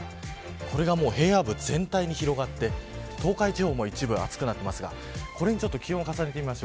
これが平野部全体に広がって東海地方も一部暑くなっていますがこれに気温を重ねてみます。